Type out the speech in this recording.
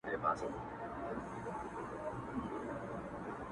د دوبي ټکنده غرمې د ژمي سوړ سهار مي!!